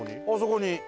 あそこに。